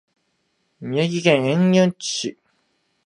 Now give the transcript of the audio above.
宮城県塩竈市